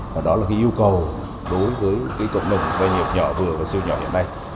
và đó là cái yêu cầu đối với cộng đồng doanh nghiệp nhỏ vừa và siêu nhỏ hiện nay